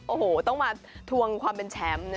โอ้โหต้องมาทวงความเป็นแชมป์นะ